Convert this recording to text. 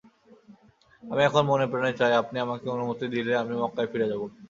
আমি এখন মনেপ্রাণে চাই, আপনি আমাকে অনুমতি দিলে আমি মক্কায় ফিরে যাব।